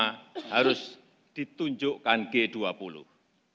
dan kita harus menunjukkan keberhasilan g dua puluh